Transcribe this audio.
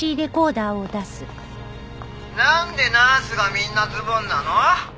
「なんでナースがみんなズボンなの？」